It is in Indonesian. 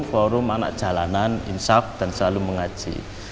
forum anak jalanan insyaf dan selalu mengaji